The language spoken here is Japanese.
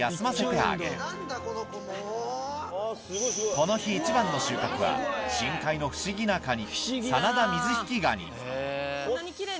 この日一番の収穫は深海の不思議なカニ